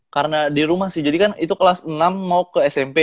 karena di rumah sih jadi kan itu kelas enam mau ke smp